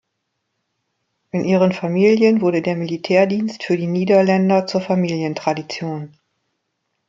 In ihren Familien wurde der Militärdienst für die Niederländer zur Familientradition.